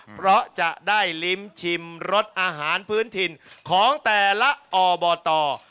เพราะจะได้ลิ้มชิมรสอาหารพื้นถิ่นของแต่ละอบต